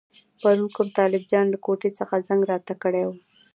پرون کوم طالب جان له کوټې څخه زنګ راته کړی وو.